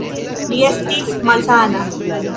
Li estis malsana.